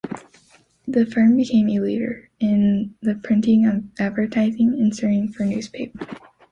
The firm became a leader in the printing of advertising inserts for newspapers.